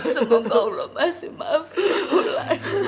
semoga allah masih maafinmu lagi